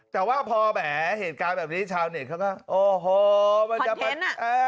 แต่ว่าพอแหมเหตุการณ์แบบนี้ชาวเน็ตเขาก็โอ้โหมันจะเป็น